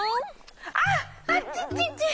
あっあっちちち！